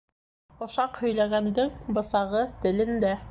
Ошаҡ һөйләгәндең бысағы телендә.